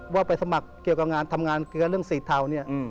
ว่าไปสมัครเกี่ยวกับงานทำงานเกลือเรื่องสีเทาเนี่ย